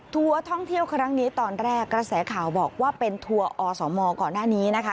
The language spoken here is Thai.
ทัวร์ท่องเที่ยวครั้งนี้ตอนแรกกระแสข่าวบอกว่าเป็นทัวร์อสมก่อนหน้านี้นะคะ